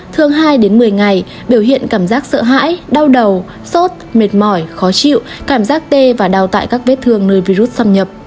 thường hai đến một mươi ngày biểu hiện cảm giác sợ hãi đau đầu sốt mệt mỏi khó chịu cảm giác tê và đào tạo các vết thương nơi virus xâm nhập